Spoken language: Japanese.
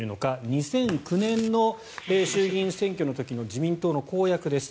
２００９年の衆議院選挙の時の自民党の公約です。